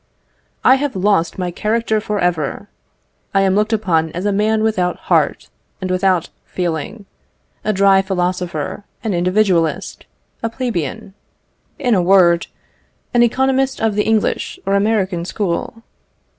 I have lost my character for ever! I am looked upon as a man without heart and without feeling a dry philosopher, an individualist, a plebeian in a word, an economist of the English or American school.